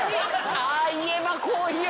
ああ言えばこう言う。